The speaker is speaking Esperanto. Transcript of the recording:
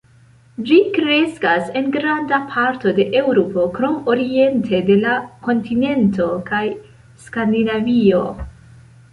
Ĝi kreskas en granda parto de Eŭropo krom oriente de la kontinento kaj Skandinavio.